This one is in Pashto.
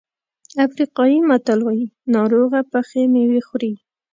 افریقایي متل وایي ناروغه پخې مېوې خوري.